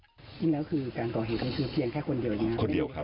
จริงแล้วคือการก่อเหตุก็คือเพียงแค่คนเดินนะครับ